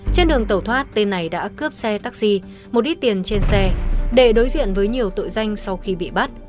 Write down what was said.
trên đường tẩu thoát tên này đã cướp xe taxi một ít tiền trên xe để đối diện với nhiều tội danh sau khi bị bắt